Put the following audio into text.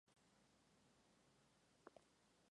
Fue usada sobre junto a una banda de color azul marino.